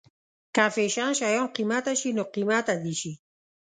که فیشن شيان قیمته شي نو قیمته دې شي.